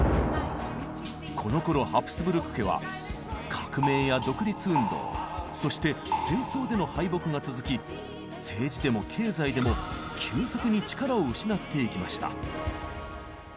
このころハプスブルク家は革命や独立運動そして戦争での敗北が続き政治でも経済でも急速に力を失っていきました。